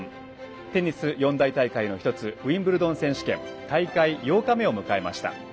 テニス四大大会の１つウィンブルドン選手権大会８日目を迎えました。